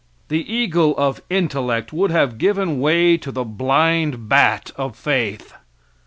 The eagle of intellect would have given way to the blind bat of faith.